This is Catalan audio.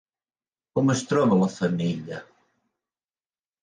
Com es troba la femella?